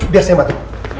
biar saya bantu